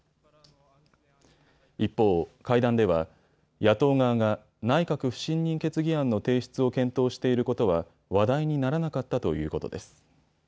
一方、会談では野党側が内閣不信任決議案の提出を検討していることは話題にならなかったということです。